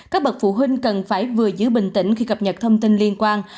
các bậc phụ huynh cần phải vừa giữ bình tĩnh khi cập nhật thông tin liên quan